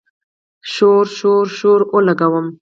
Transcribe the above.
شور، شور، شور اولګوو